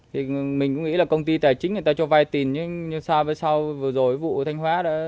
thì mình cũng nghĩ là công ty tài chính người ta cho vay tiền nhưng so với sau vừa rồi vụ ở thanh hóa đã